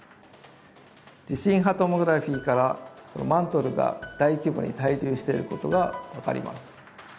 地震波トモグラフィーからマントルが大規模に対流していることが分かります。